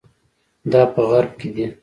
دا په غرب کې دي.